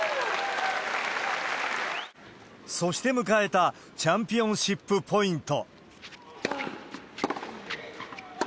そして迎えたチャンピオンシップポイント。